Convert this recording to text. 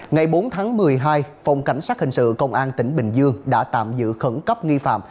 ngày bốn tháng một mươi hai phòng cảnh sát hình sự công an tỉnh bình dương đã tạm giữ khẩn cấp nghi phạm